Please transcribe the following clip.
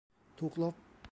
ถูกลบ